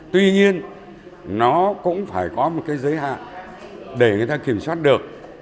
tuy nhiên nó cũng phải có một cái giới hạn để người ta kiểm soát được